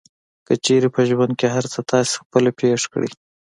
که چېرې په ژوند کې هر څه تاسې خپله پېښ کړئ.